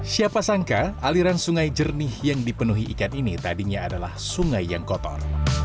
siapa sangka aliran sungai jernih yang dipenuhi ikan ini tadinya adalah sungai yang kotor